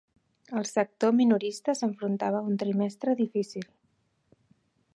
El sector minorista s'enfrontava a un trimestre difícil.